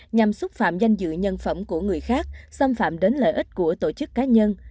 nhằm xúc phạm danh dự nhân phẩm của người khác xâm phạm đến lợi ích của tổ chức cá nhân